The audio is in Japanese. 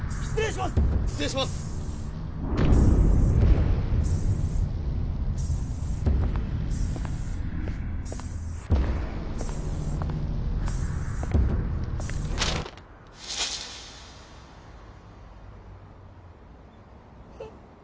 失礼しますへっ？